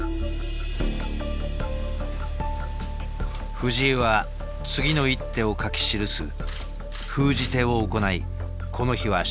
藤井は次の一手を書き記す封じ手を行いこの日は終了。